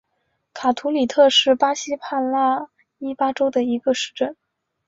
卡图里特是巴西帕拉伊巴州的一个市镇。